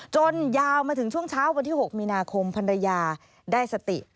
ยาวมาถึงช่วงเช้าวันที่๖มีนาคมภรรยาได้สติ